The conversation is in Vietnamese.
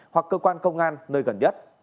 hoặc cơ quan công an nơi gần nhất